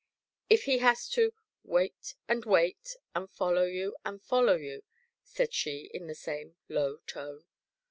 "If he has to 'wait and wait, and follow you and follow you'?" said she, in the same low tone.